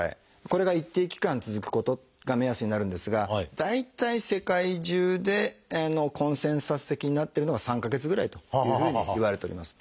これが一定期間続くことが目安になるんですが大体世界中でコンセンサス的になってるのが３か月ぐらいというふうにいわれております。